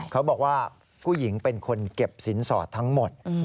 เขาบอกว่าผู้หญิงเป็นคนเก็บสินสอดทั้งหมด